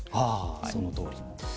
そのとおり。